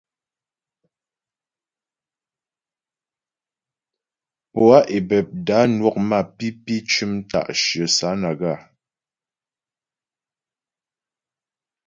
Poâ Ebebda nwɔk mapǐpi cʉm ta'shyə Sánaga.